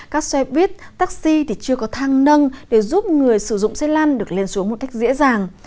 các xe buýt taxi thì chưa có thang nâng để giúp người sử dụng xe lăn được lên xuống một cách dễ dàng